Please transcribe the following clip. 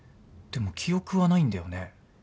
でも記憶はないんだよね。